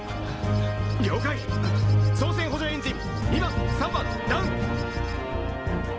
参髻操船補助エンジン２番３番ダウン！